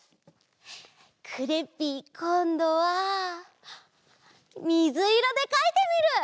クレッピーこんどはみずいろでかいてみる！